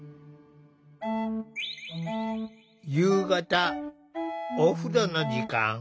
夕方お風呂の時間。